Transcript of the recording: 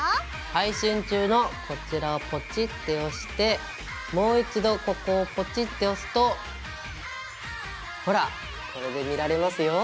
配信中のこちらをポチッて押してもう一度ここをポチッて押すとほらこれで見られますよ。